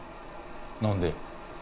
何で？